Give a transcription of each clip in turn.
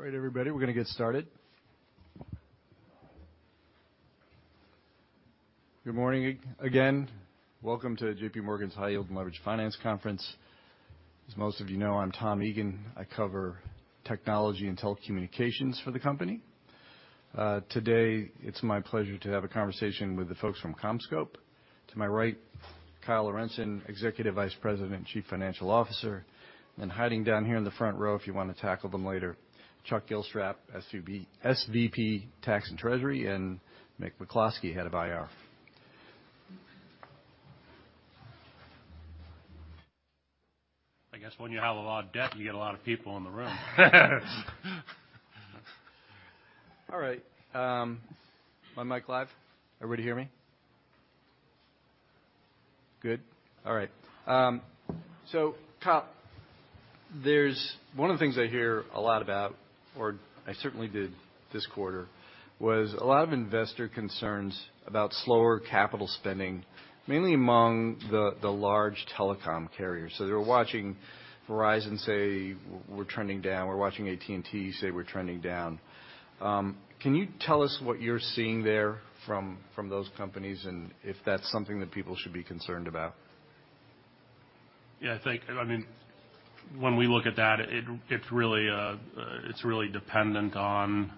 All right, everybody, we're gonna get started. Good morning again. Welcome to JPMorgan's High Yield Leveraged Finance Conference. As most of you know, I'm Tom Egan. I cover technology and telecommunications for the company. Today it's my pleasure to have a conversation with the folks from CommScope. To my right, Kyle Lorentzen, Executive Vice President, Chief Financial Officer, and hiding down here in the front row, if you wanna tackle them later, Chuck Gilstrap, SVP, Tax and Treasury, and Michael McCloskey, Head of IR. I guess when you have a lot of debt, you get a lot of people in the room. All right. My mic live? Everybody hear me? Good. All right. Kyle, one of the things I hear a lot about, or I certainly did this quarter, was a lot of investor concerns about slower capital spending, mainly among the large telecom carriers. They're watching Verizon say, "We're trending down." We're watching AT&T say, "We're trending down." Can you tell us what you're seeing there from those companies and if that's something that people should be concerned about? I mean, when we look at that, it's really dependent on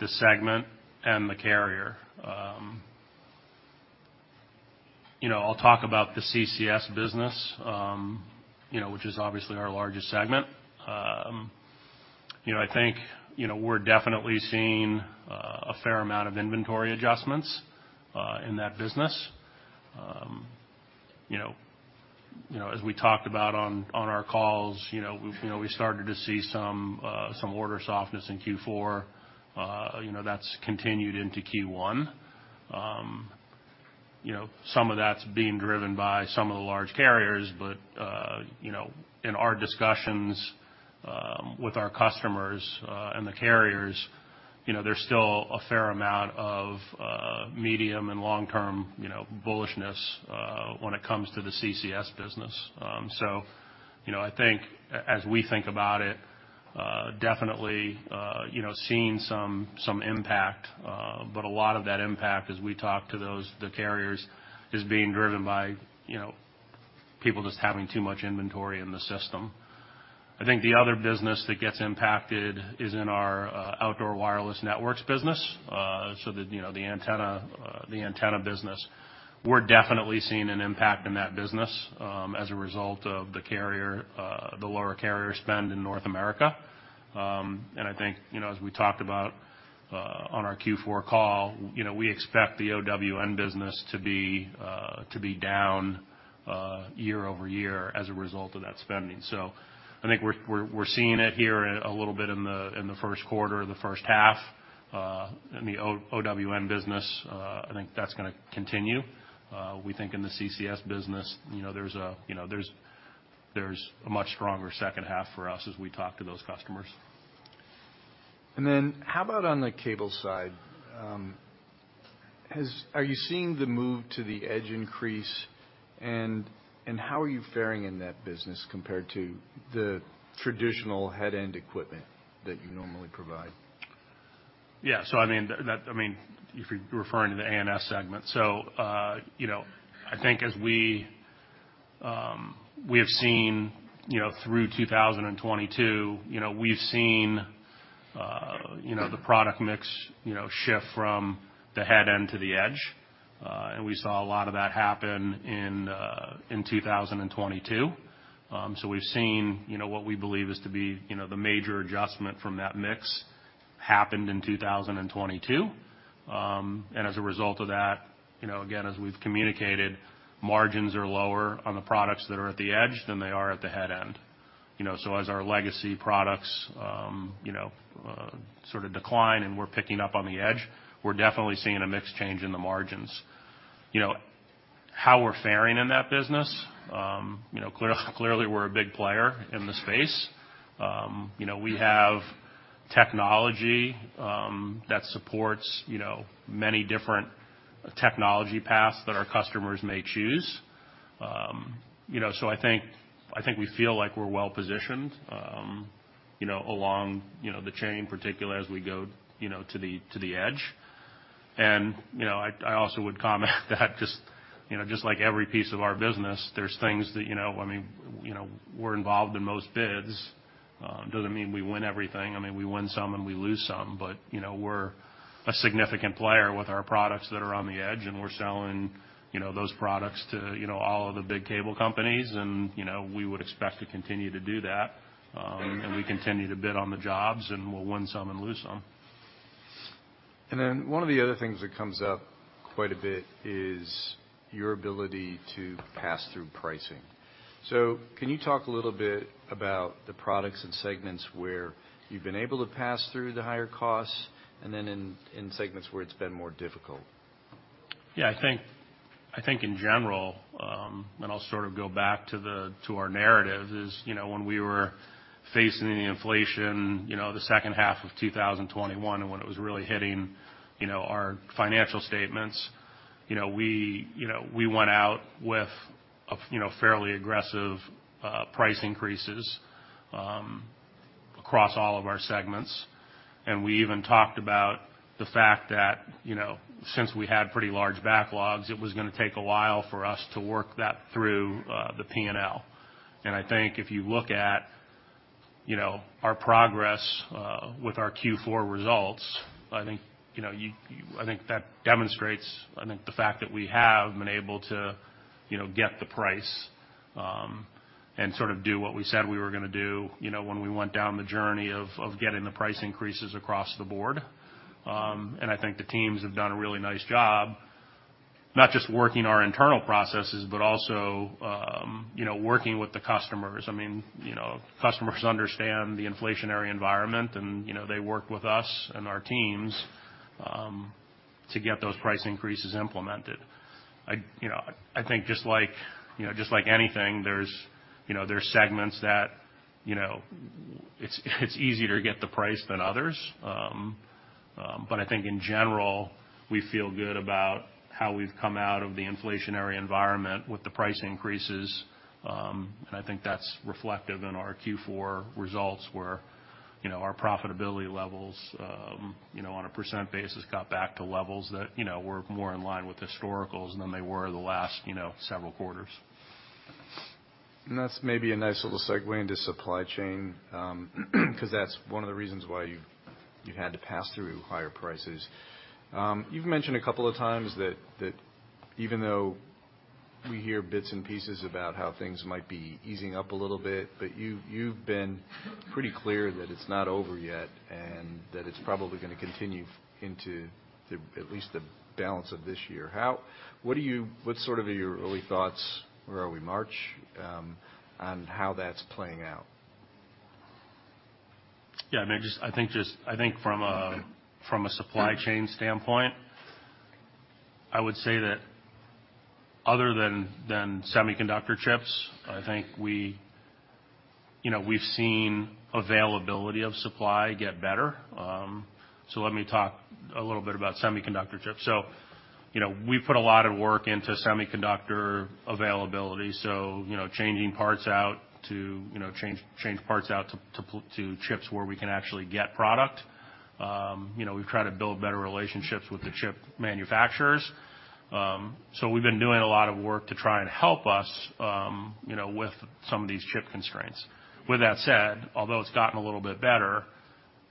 the segment and the carrier. You know, I'll talk about the CCS business, you know, which is obviously our largest segment. You know, I think, you know, we're definitely seeing, a fair amount of inventory adjustments, in that business. You know, you know, as we talked about on our calls, you know, we, you know, we started to see some order softness in Q4. You know, that's continued into Q1. You know, some of that's being driven by some of the large carriers, you know, in our discussions with our customers and the carriers, you know, there's still a fair amount of medium and long-term, you know, bullishness when it comes to the CCS business. You know, I think as we think about it, definitely, you know, seeing some impact, but a lot of that impact, as we talk to those, the carriers, is being driven by, you know, people just having too much inventory in the system. I think the other business that gets impacted is in our outdoor wireless networks business, so the, you know, the antenna, the antenna business. We're definitely seeing an impact in that business as a result of the carrier, the lower carrier spend in North America. I think, you know, as we talked about on our Q4 call, you know, we expect the OWN business to be down year-over-year as a result of that spending. I think we're seeing it here a little bit in the first quarter or the first half in the OWN business. I think that's gonna continue. We think in the CCS business, you know, there's a much stronger second half for us as we talk to those customers. How about on the cable side? Are you seeing the move to the edge increase, and how are you faring in that business compared to the traditional headend equipment that you normally provide? Yeah. I mean, if you're referring to the ANS segment. You know, I think as we have seen, you know, through 2022, you know, we've seen, you know, the product mix, you know, shift from the headend to the edge. We saw a lot of that happen in 2022. We've seen, you know, what we believe is to be, you know, the major adjustment from that mix happened in 2022. As a result of that, you know, again, as we've communicated, margins are lower on the products that are at the edge than they are at the headend. You know, so as our legacy products, you know, sort of decline and we're picking up on the edge, we're definitely seeing a mix change in the margins. You know, how we're faring in that business, you know, clearly we're a big player in the space. You know, we have technology that supports, you know, many different technology paths that our customers may choose. You know, so I think, I think we feel like we're well positioned, you know, along, you know, the chain, particularly as we go, you know, to the, to the edge. You know, I also would comment that just, you know, just like every piece of our business, there's things that, you know, I mean, you know, we're involved in most bids. Doesn't mean we win everything. I mean, we win some, and we lose some. You know, we're a significant player with our products that are on the edge, and we're selling, you know, those products to, you know, all of the big cable companies. You know, we would expect to continue to do that. We continue to bid on the jobs, and we'll win some and lose some. One of the other things that comes up quite a bit is your ability to pass through pricing. Can you talk a little bit about the products and segments where you've been able to pass through the higher costs, and then in segments where it's been more difficult? Yeah. I think in general, I'll sort of go back to our narrative is, you know, when we were facing the inflation, you know, the second half of 2021 and when it was really hitting, you know, our financial statements. You know, we, you know, we went out with a, you know, fairly aggressive price increases across all of our segments. We even talked about the fact that, you know, since we had pretty large backlogs, it was gonna take a while for us to work that through the PNL. I think if you look at, you know, our progress with our Q4 results, I think, you know, I think that demonstrates, I think, the fact that we have been able to, you know, get the price and sort of do what we said we were gonna do, you know, when we went down the journey of getting the price increases across the board. I think the teams have done a really nice job, not just working our internal processes, but also, you know, working with the customers. I mean, you know, customers understand the inflationary environment and, you know, they work with us and our teams to get those price increases implemented. I, you know, I think just like, you know, just like anything, there's, you know, there are segments that, you know, it's easier to get the price than others. I think in general, we feel good about how we've come out of the inflationary environment with the price increases. I think that's reflective in our Q4 results where, you know, our profitability levels, you know, on a percent basis got back to levels that, you know, were more in line with historicals than they were the last, you know, several quarters. That's maybe a nice little segue into supply chain, 'cause that's one of the reasons why you had to pass through higher prices. You've mentioned a couple of times that even though we hear bits and pieces about how things might be easing up a little bit, but you've been pretty clear that it's not over yet and that it's probably gonna continue into at least the balance of this year. What sort of are your early thoughts, where are we, March, on how that's playing out? Yeah, I mean, I think from a supply chain standpoint, I would say that other than semiconductor chips, I think we, you know, we've seen availability of supply get better. Let me talk a little bit about semiconductor chips. You know, we've put a lot of work into semiconductor availability. You know, changing parts out to, you know, change parts out to chips where we can actually get product. You know, we've tried to build better relationships with the chip manufacturers. We've been doing a lot of work to try and help us, you know, with some of these chip constraints. With that said, although it's gotten a little bit better,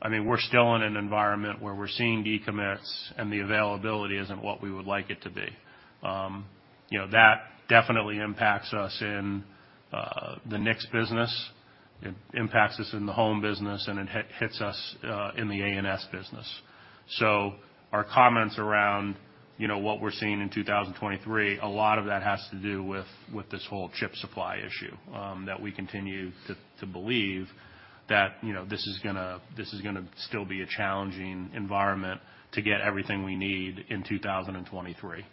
I mean, we're still in an environment where we're seeing decommits and the availability isn't what we would like it to be. you know, that definitely impacts us in the NICS business, it impacts us in the Home Networks, and it hits us in the ANS business. Our comments around, you know, what we're seeing in 2023, a lot of that has to do with this whole chip supply issue, that we continue to believe that, you know, this is gonna still be a challenging environment to get everything we need in 2023.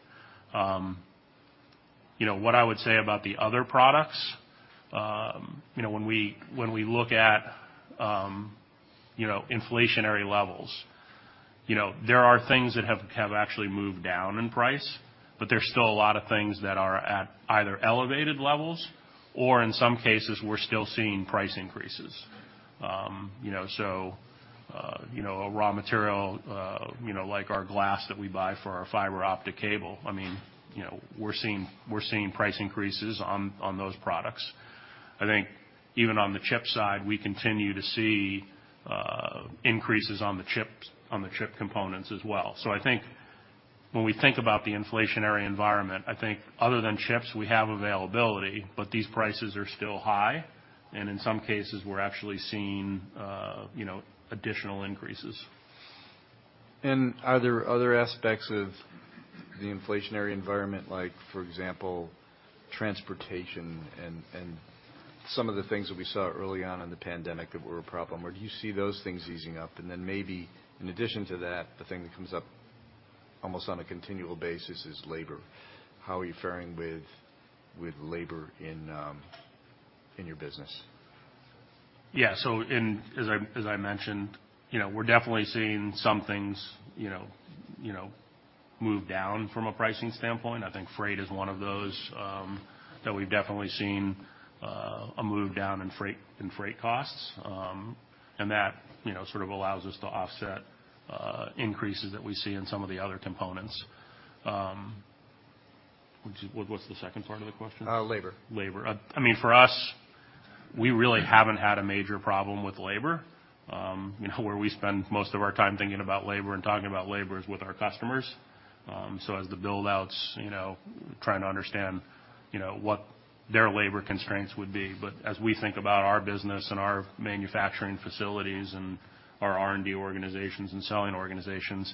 you know, what I would say about the other products, you know, when we look at, you know, inflationary levels, you know, there are things that have actually moved down in price, but there's still a lot of things that are at either elevated levels or in some cases we're still seeing price increases. you know, so, you know, a raw material, you know, like our glass that we buy for our fiber optic cable, I mean, you know, we're seeing price increases on those products. I think even on the chip side, we continue to see increases on the chip components as well. I think when we think about the inflationary environment, I think other than chips, we have availability, but these prices are still high, and in some cases, we're actually seeing, you know, additional increases. Are there other aspects of the inflationary environment, like for example, transportation and some of the things that we saw early on in the pandemic that were a problem? Do you see those things easing up? Then maybe in addition to that, the thing that comes up almost on a continual basis is labor. How are you fairing with labor in your business? Yeah. As I mentioned, you know, we're definitely seeing some things, you know, move down from a pricing standpoint. I think freight is one of those that we've definitely seen a move down in freight costs. That, you know, sort of allows us to offset increases that we see in some of the other components. What's the second part of the question? Labor. Labor. I mean, for us, we really haven't had a major problem with labor. You know, where we spend most of our time thinking about labor and talking about labor is with our customers. As the build-outs, you know, trying to understand, you know, what their labor constraints would be. As we think about our business and our manufacturing facilities and our R&D organizations and selling organizations,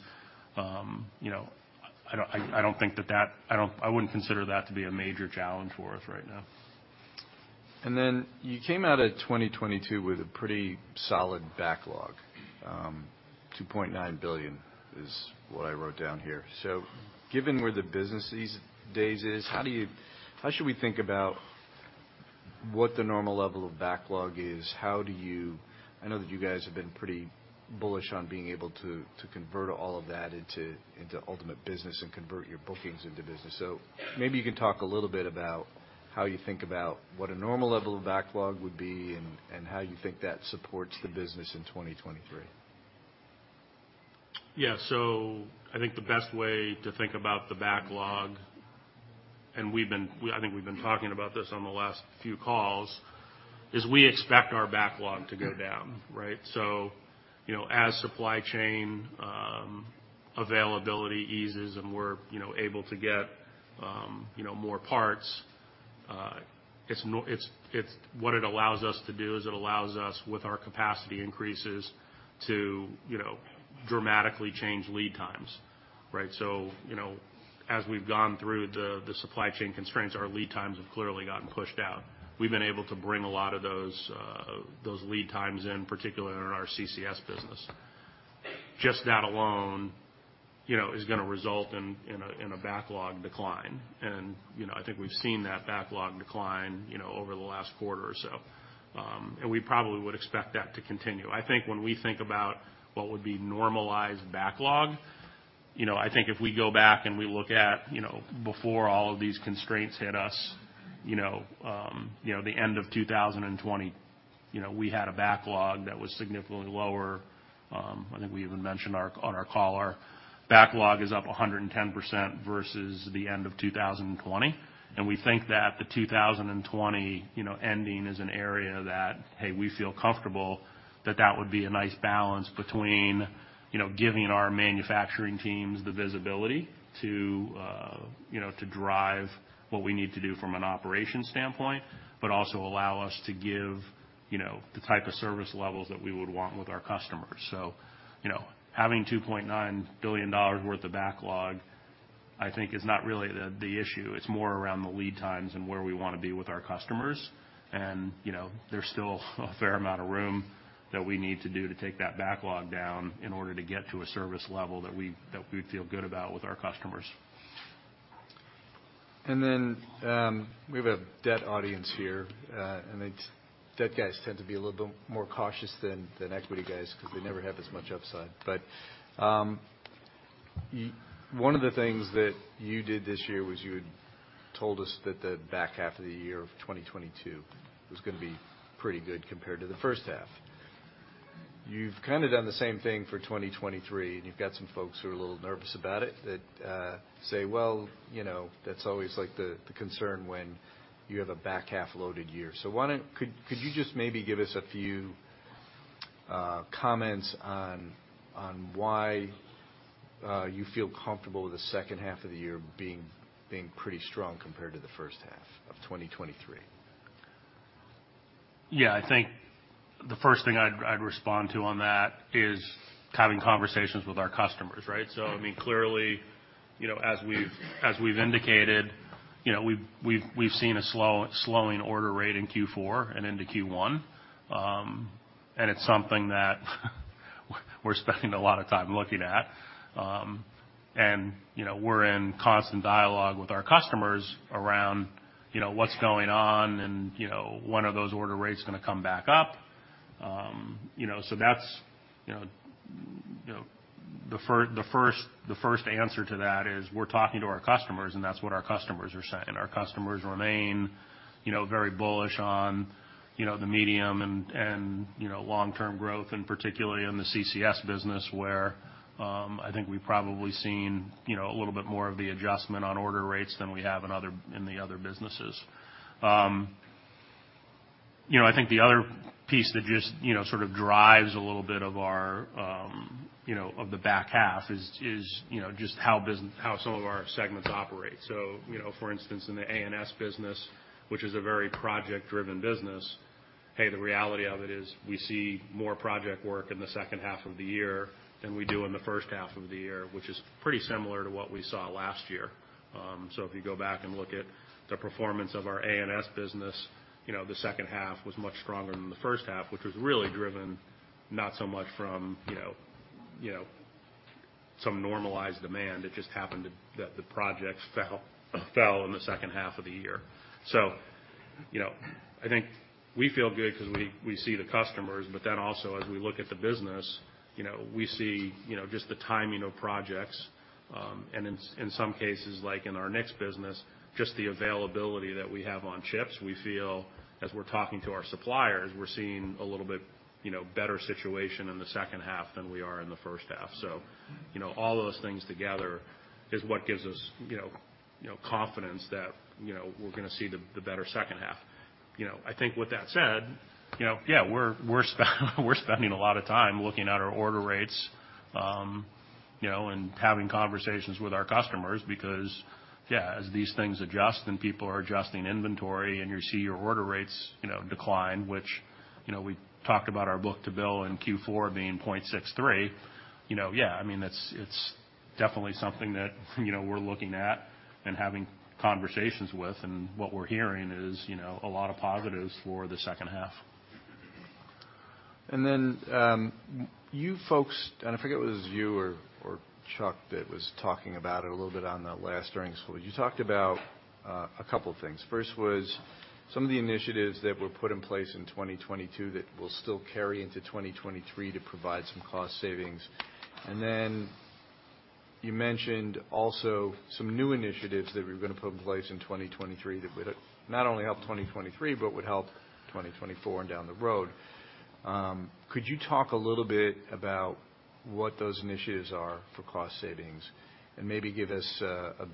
you know, I wouldn't consider that to be a major challenge for us right now. You came out of 2022 with a pretty solid backlog. $2.9 billion is what I wrote down here. Given where the business these days is, how should we think about what the normal level of backlog is? I know that you guys have been pretty bullish on being able to convert all of that into ultimate business and convert your bookings into business. Maybe you can talk a little bit about how you think about what a normal level of backlog would be and how you think that supports the business in 2023. I think the best way to think about the backlog, and we've been talking about this on the last few calls, is we expect our backlog to go down, right? As supply chain, you know, availability eases and we're, you know, able to get, you know, more parts, what it allows us to do is it allows us, with our capacity increases, to, you know, dramatically change lead times, right? As we've gone through the supply chain constraints, our lead times have clearly gotten pushed out. We've been able to bring a lot of those lead times in, particularly in our CCS business. Just that alone, you know, is gonna result in a backlog decline. You know, I think we've seen that backlog decline, you know, over the last quarter or so. We probably would expect that to continue. I think when we think about what would be normalized backlog, you know, I think if we go back and we look at, you know, before all of these constraints hit us, you know, the end of 2020, you know, we had a backlog that was significantly lower, I think we even mentioned on our call. Our backlog is up 110% versus the end of 2020. We think that the 2020, you know, ending is an area that, hey, we feel comfortable that that would be a nice balance between, you know, giving our manufacturing teams the visibility to, you know, to drive what we need to do from an operations standpoint, also allow us to give, you know, the type of service levels that we would want with our customers. You know, having $2.9 billion worth of backlog, I think is not really the issue. It's more around the lead times and where we wanna be with our customers. You know, there's still a fair amount of room that we need to do to take that backlog down in order to get to a service level that we'd feel good about with our customers. We have a debt audience here. Debt guys tend to be a little bit more cautious than equity guys 'cause they never have as much upside. One of the things that you did this year was you had told us that the back half of the year of 2022 was gonna be pretty good compared to the first half. You've kinda done the same thing for 2023, and you've got some folks who are a little nervous about it, that say, "Well, you know, that's always, like, the concern when you have a back half loaded year." Could you just maybe give us a few comments on why you feel comfortable with the second half of the year being pretty strong compared to the first half of 2023? I think the first thing I'd respond to on that is having conversations with our customers, right? I mean, clearly, you know, as we've, as we've indicated, you know, we've, we've seen a slowing order rate in Q4 and into Q1. It's something that we're spending a lot of time looking at. You know, we're in constant dialogue with our customers around, you know, what's going on, and, you know, when are those order rates gonna come back up? You know, that's, you know, the first answer to that is we're talking to our customers, and that's what our customers are saying. Our customers remain, you know, very bullish on, you know, the medium and, you know, long-term growth, and particularly in the CCS business, where I think we've probably seen, you know, a little bit more of the adjustment on order rates than we have in the other businesses. You know, I think the other piece that just, you know, sort of drives a little bit of our, you know, of the back half is, you know, just how some of our segments operate. For instance, in the ANS business, which is a very project-driven business, hey, the reality of it is we see more project work in the second half of the year than we do in the first half of the year, which is pretty similar to what we saw last year. If you go back and look at the performance of our ANS business, you know, the second half was much stronger than the first half, which was really driven not so much from, you know, some normalized demand. It just happened that the projects fell in the second half of the year. You know, I think we feel good 'cause we see the customers, also, as we look at the business, you know, we see just the timing of projects, and in some cases, like in our next business, just the availability that we have on chips. We feel as we're talking to our suppliers, we're seeing a little bit, you know, better situation in the second half than we are in the first half. You know, all those things together is what gives us, you know, confidence that, you know, we're gonna see the better second half. I think with that said, you know, yeah, we're spending a lot of time looking at our order rates, you know, and having conversations with our customers because, yeah, as these things adjust, and people are adjusting inventory, and you see your order rates, you know, decline, which, you know, we talked about our book-to-bill in Q4 being 0.63, you know, yeah, I mean, it's definitely something that, you know, we're looking at and having conversations with. What we're hearing is, you know, a lot of positives for the second half. You folks, and I forget whether it was you or Chuck that was talking about it a little bit on the last earnings call. You talked about a couple things. First was some of the initiatives that were put in place in 2022 that will still carry into 2023 to provide some cost savings. You mentioned also some new initiatives that we're gonna put in place in 2023 that would not only help 2023, but would help 2024 and down the road. Could you talk a little bit about what those initiatives are for cost savings and maybe give us a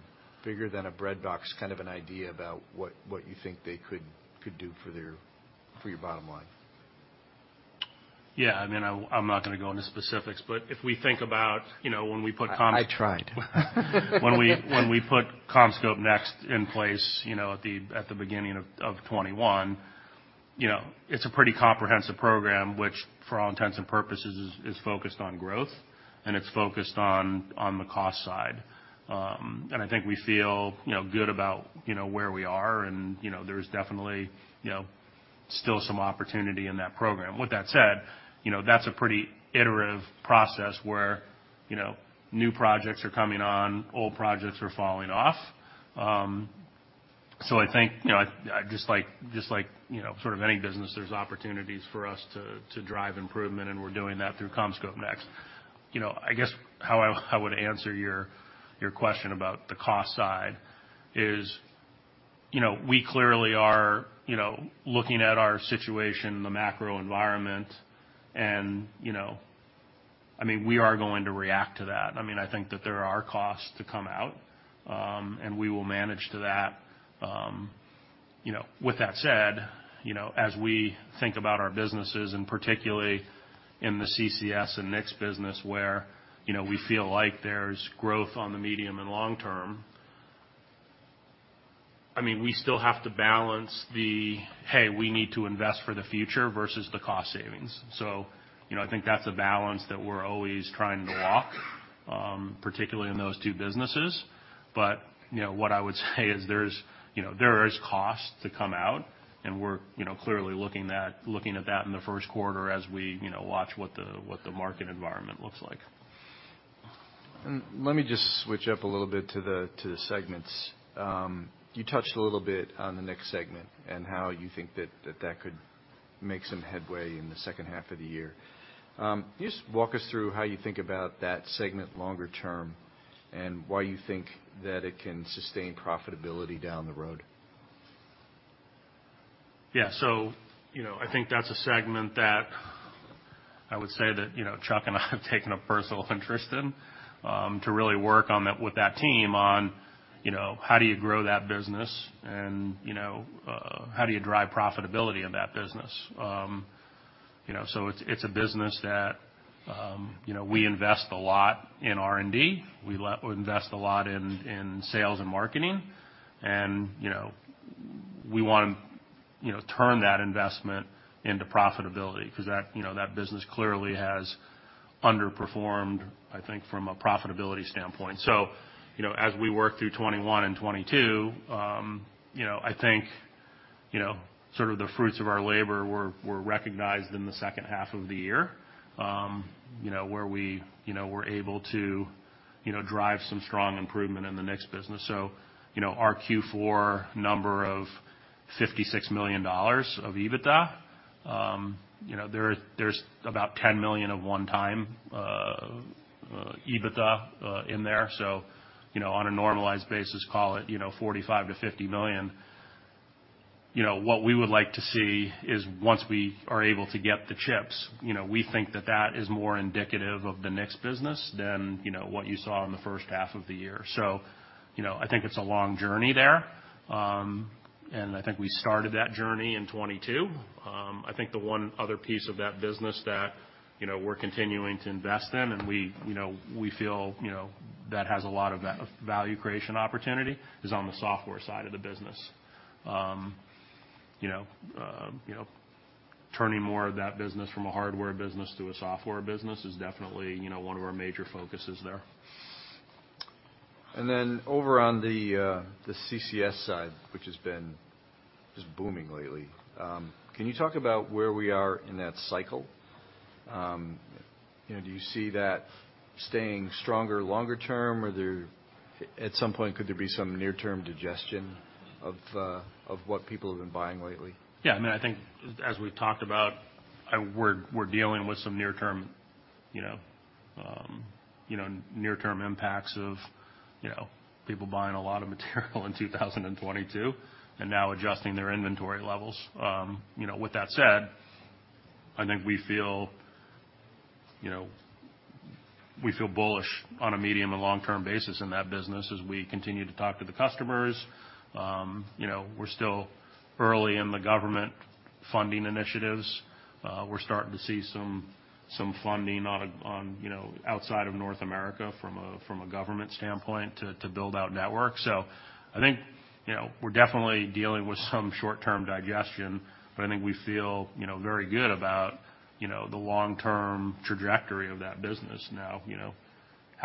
bigger than a breadbox kind of an idea about what you think they could do for their, for your bottom line? Yeah. I mean, I'm not gonna go into specifics, if we think about, you know, when we put. I tried. When we put CommScope NEXT in place, you know, at the beginning of 2021, you know, it's a pretty comprehensive program, which for all intents and purposes is focused on growth, and it's focused on the cost side. I think we feel, you know, good about, you know, where we are, and, you know, there's definitely, you know, still some opportunity in that program. With that said, you know, that's a pretty iterative process where, you know, new projects are coming on, old projects are falling off. I think, you know, just like, you know, sort of any business, there's opportunities for us to drive improvement, and we're doing that through CommScope NEXT. I guess how I would answer your question about the cost side is, we clearly are looking at our situation in the macro environment and, I mean, we are going to react to that. I mean, I think that there are costs to come out, and we will manage to that. With that said, as we think about our businesses, and particularly in the CCS and NICS business where we feel like there's growth on the medium and long term, I mean, we still have to balance the, hey, we need to invest for the future versus the cost savings. I think that's a balance that we're always trying to walk, particularly in those two businesses. You know, what I would say is there's, you know, there is cost to come out, and we're, you know, clearly looking at that in the first quarter as we, you know, watch what the, what the market environment looks like. Let me just switch up a little bit to the segments. You touched a little bit on the NICS segment and how you think that that could make some headway in the second half of the year. Can you just walk us through how you think about that segment longer term and why you think that it can sustain profitability down the road? Yeah. You know, I think that's a segment that I would say that, you know, Chuck and I have taken a personal interest in, to really work on that with that team on, you know, how do you grow that business and, you know, how do you drive profitability in that business? You know, it's a business that, you know, we invest a lot in R&D. We invest a lot in sales and marketing and, you know, we want to, you know, turn that investment into profitability cause that, you know, that business clearly has underperformed, I think, from a profitability standpoint. As we work through 2021 and 2022, you know, I think, you know, sort of the fruits of our labor were recognized in the second half of the year, you know, where we, you know, were able to, you know, drive some strong improvement in the NICS business. Our Q4 number of $56 million of EBITDA, you know, there's about $10 million of one-time EBITDA in there. On a normalized basis, call it, you know, $45 million-$50 million. You know, what we would like to see is once we are able to get the chips, you know, we think that that is more indicative of the NICS business than, you know, what you saw in the first half of the year. you know, I think it's a long journey there, and I think we started that journey in 2022. I think the one other piece of that business that, you know, we're continuing to invest in and we, you know, we feel, you know, that has a lot of that value creation opportunity is on the software side of the business. you know, you know, turning more of that business from a hardware business to a software business is definitely, you know, one of our major focuses there. Over on the CCS side, which has been just booming lately, can you talk about where we are in that cycle? You know, do you see that staying stronger longer term, or at some point, could there be some near-term digestion of what people have been buying lately? Yeah. I mean, I think as we've talked about, we're dealing with some near-term, you know, near-term impacts of, you know, people buying a lot of material in 2022 and now adjusting their inventory levels. You know, with that said, I think we feel, you know, we feel bullish on a medium and long-term basis in that business as we continue to talk to the customers. You know, we're still early in the government funding initiatives. We're starting to see some funding on, you know, outside of North America from a government standpoint to build out networks. I think, you know, we're definitely dealing with some short-term digestion, but I think we feel, you know, very good about, you know, the long-term trajectory of that business now.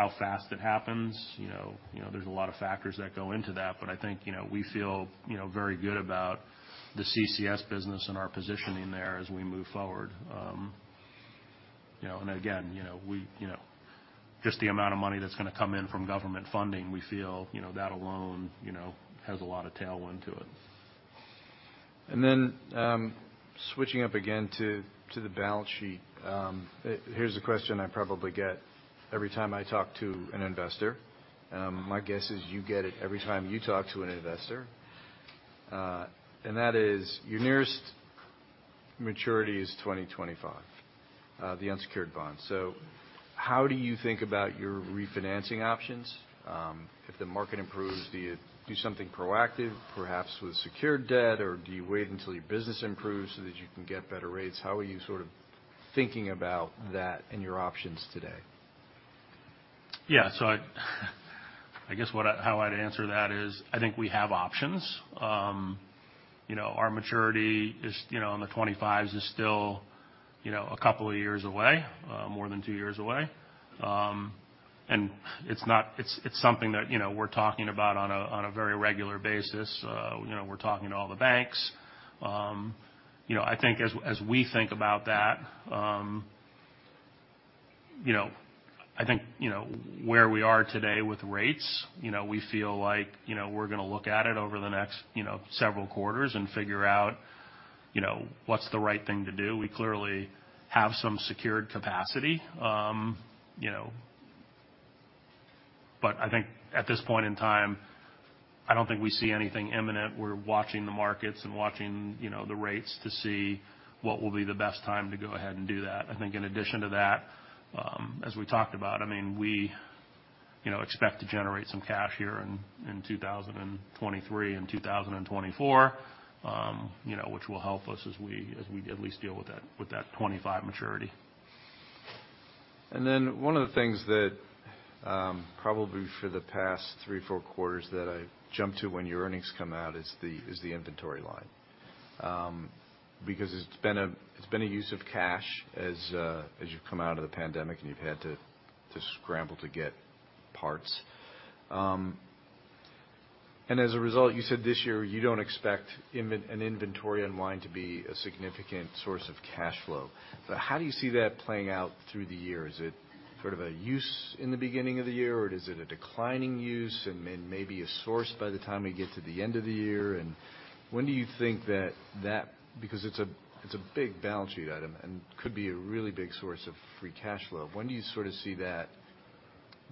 How fast it happens, you know, you know, there's a lot of factors that go into that. I think, you know, we feel, you know, very good about the CCS business and our positioning there as we move forward. Again, you know, we, you know, just the amount of money that's gonna come in from government funding, we feel, you know, that alone, you know, has a lot of tailwind to it. Switching up again to the balance sheet. Here's a question I probably get every time I talk to an investor, my guess is you get it every time you talk to an investor. Your nearest maturity is 2025, the unsecured bond. How do you think about your refinancing options, if the market improves? Do you do something proactive, perhaps with secured debt? Do you wait until your business improves so that you can get better rates? How are you sort of thinking about that and your options today? Yeah. I guess how I'd answer that is, I think we have options. you know, our maturity is, you know, on the twenty-fives is still, you know, a couple of years away, more than two years away. It's something that, you know, we're talking about on a, on a very regular basis. you know, we're talking to all the banks. you know, I think as we think about that, you know, I think, you know, where we are today with rates, you know, we feel like, you know, we're gonna look at it over the next, you know, several quarters and figure out, you know, what's the right thing to do. We clearly have some secured capacity. you know, I think at this point in time, I don't think we see anything imminent. We're watching the markets and watching, you know, the rates to see what will be the best time to go ahead and do that. I think in addition to that, as we talked about, I mean, we, you know, expect to generate some cash here in 2023 and 2024, you know, which will help us as we at least deal with that, with that 25 maturity. One of the things that, probably for the past three, four quarters that I jump to when your earnings come out is the, is the inventory line. It's been a, it's been a use of cash as you've come out of the pandemic, and you've had to scramble to get parts. As a result, you said this year you don't expect an inventory line to be a significant source of cash flow. How do you see that playing out through the year? Is it sort of a use in the beginning of the year, or is it a declining use and may be a source by the time we get to the end of the year? When do you think that... It's a big balance sheet item and could be a really big source of free cash flow. When do you sort of see that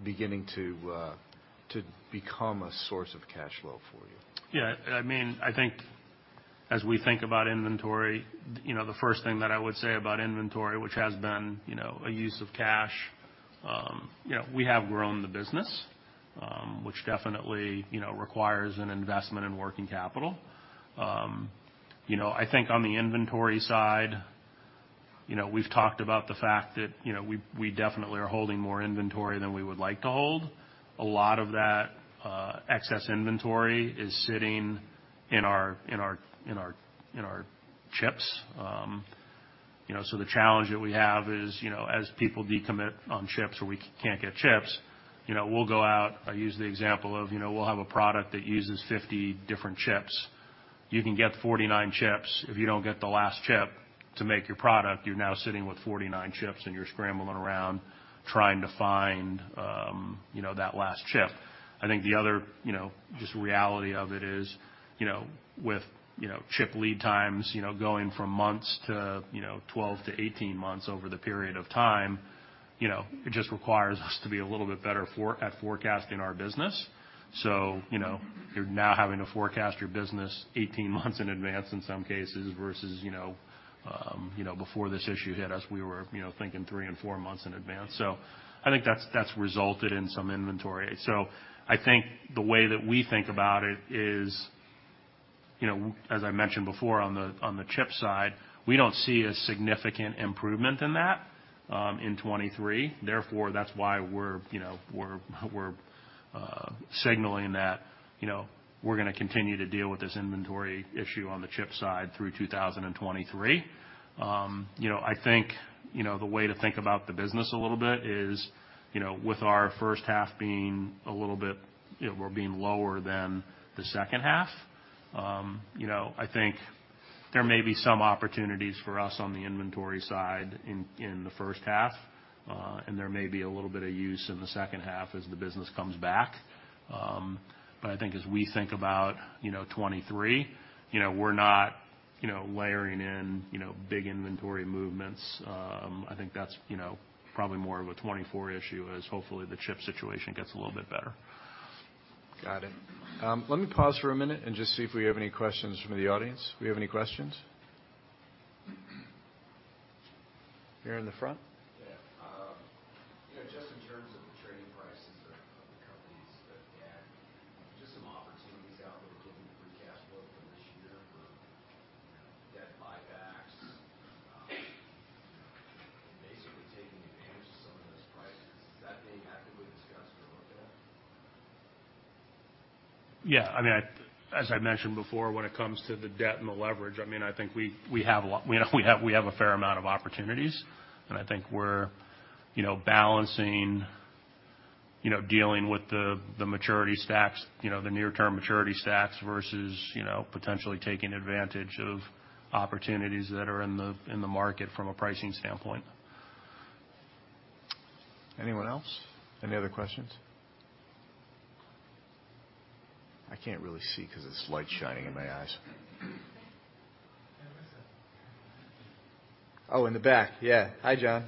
beginning to become a source of cash flow for you? Yeah. I mean, I think as we think about inventory, you know, the first thing that I would say about inventory, which has been, you know, a use of cash, you know, we have grown the business, which definitely, you know, requires an investment in working capital. You know, I think on the inventory side, you know, we've talked about the fact that, you know, we definitely are holding more inventory than we would like to hold. A lot of that excess inventory is sitting in our chips. You know, the challenge that we have is, you know, as people decommit on chips or we can't get chips, you know, we'll go out. I use the example of, you know, we'll have a product that uses 50 different chips. You can get 49 chips. If you don't get the last chip to make your product, you're now sitting with 49 chips, and you're scrambling around trying to find, you know, that last chip. I think the other, you know, just reality of it is, you know, with, you know, chip lead times, you know, going from months to, you know, 12-18 months over the period of time, you know, it just requires us to be a little bit better at forecasting our business. You know, you're now having to forecast your business 18 months in advance in some cases versus, you know, you know, before this issue hit us, we were, you know, thinking three and four months in advance. I think that's resulted in some inventory. I think the way that we think about it is, you know, as I mentioned before on the, on the chip side, we don't see a significant improvement in that in 2023. That's why we're, you know, we're signaling that, you know, we're gonna continue to deal with this inventory issue on the chip side through 2023. You know, I think, you know, the way to think about the business a little bit is, you know, with our first half being a little bit, you know, we're being lower than the second half. You know, I think there may be some opportunities for us on the inventory side in the first half. There may be a little bit of use in the second half as the business comes back. I think as we think about, you know, 2023, you know, we're not, you know, layering in, you know, big inventory movements. I think that's, you know, probably more of a 2024 issue as hopefully the chip situation gets a little bit better. Got it. Let me pause for a minute and just see if we have any questions from the audience. Do we have any questions? Here in the front. You know, just in terms of the trading prices of the companies that we have, just some opportunities out there giving free cash flow for this year for, you know, debt buybacks, you know, basically taking advantage of some of those prices. Is that being actively considered? Yeah. I mean, as I mentioned before, when it comes to the debt and the leverage, I mean, I think we have a fair amount of opportunities, and I think we're, you know, balancing, you know, dealing with the maturity stacks, you know, the near term maturity stacks versus, you know, potentially taking advantage of opportunities that are in the market from a pricing standpoint. Anyone else? Any other questions? I can't really see 'cause this light's shining in my eyes. Hey, listen. Oh, in the back, yeah. Hi, John.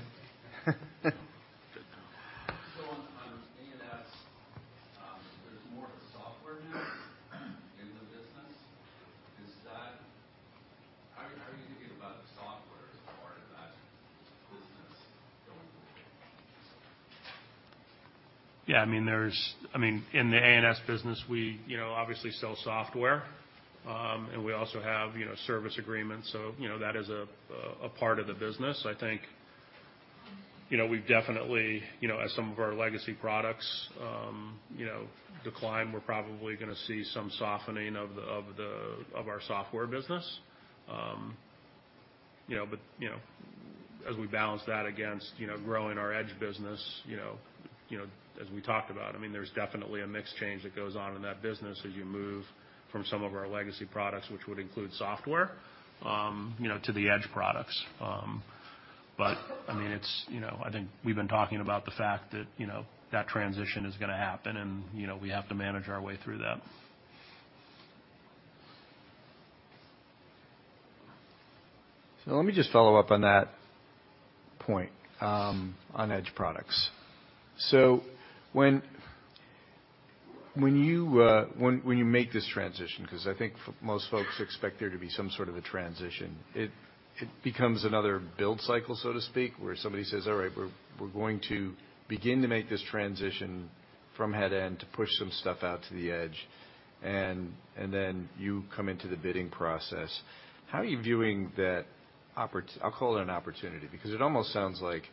On ANS, there's more software now in the business. How are you thinking about the software as part of that business going forward? I mean, in the ANS business, we, you know, obviously sell software. We also have, you know, service agreements, so you know, that is a part of the business. I think, you know, we've definitely, you know, as some of our legacy products, you know, decline, we're probably gonna see some softening of our software business. You know, as we balance that against, you know, growing our edge business, you know, as we talked about, I mean, there's definitely a mix change that goes on in that business as you move from some of our legacy products, which would include software, you know, to the edge products. I mean, it's, you know. I think we've been talking about the fact that, you know, that transition is gonna happen and, you know, we have to manage our way through that. Let me just follow up on that point on edge products. When you, when you make this transition, 'cause I think most folks expect there to be some sort of a transition, it becomes another build cycle, so to speak, where somebody says, "All right, we're going to begin to make this transition from headend to push some stuff out to the edge." You come into the bidding process. How are you viewing that opportunity? I'll call it an opportunity, because it almost sounds like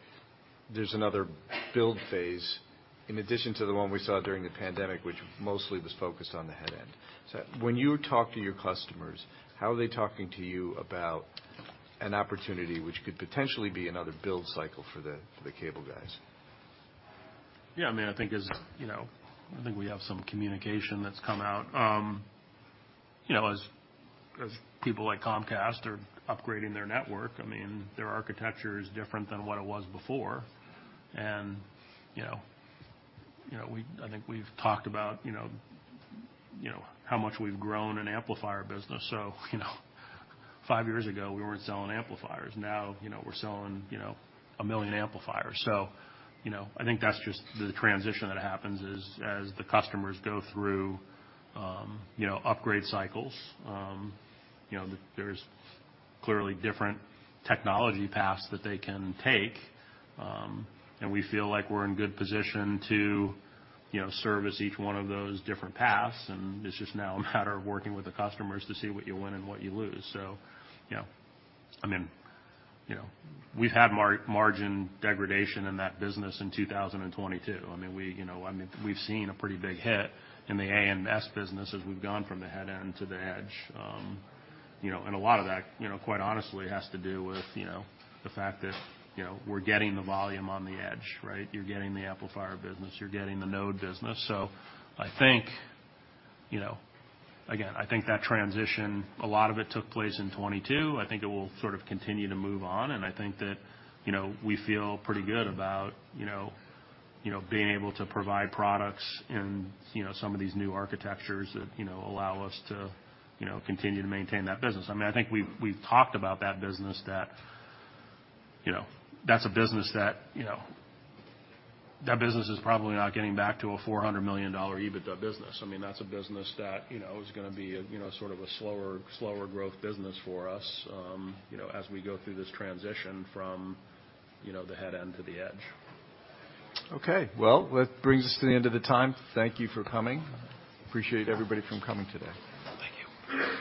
there's another build phase in addition to the one we saw during the pandemic, which mostly was focused on the headend. When you talk to your customers, how are they talking to you about an opportunity which could potentially be another build cycle for the cable guys? Yeah, I mean, I think as, you know, I think we have some communication that's come out. you know, as people like Comcast are upgrading their network, I mean, their architecture is different than what it was before. you know, we I think we've talked about, you know, how much we've grown an amplifier business. you know, five years ago, we weren't selling amplifiers. Now, you know, we're selling 1 million amplifiers. you know, I think that's just the transition that happens, is as the customers go through, you know, upgrade cycles, you know, there's clearly different technology paths that they can take. We feel like we're in good position to, you know, service each one of those different paths, and it's just now a matter of working with the customers to see what you win and what you lose. You know, I mean, you know, we've had margin degradation in that business in 2022. I mean, we, you know, I mean, we've seen a pretty big hit in the ANS business as we've gone from the headend to the edge. You know, a lot of that, you know, quite honestly has to do with, you know, the fact that, you know, we're getting the volume on the edge, right? You're getting the amplifier business, you're getting the node business. I think, you know, again, I think that transition, a lot of it took place in 2022. I think it will sort of continue to move on, and I think that, you know, we feel pretty good about, you know, being able to provide products in, you know, some of these new architectures that, you know, allow us to, you know, continue to maintain that business. I mean, I think we've talked about that business. That business is probably not getting back to a $400 million EBITDA business. I mean, that's a business that, you know, is gonna be a, you know, sort of a slower growth business for us, you know, as we go through this transition from, you know, the headend to the edge. Okay. Well, that brings us to the end of the time. Thank you for coming. Appreciate everybody from coming today. Thank you.